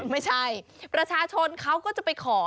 ไม่ใช่ประชาชนเขาก็จะไปขอ